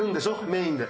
メインで。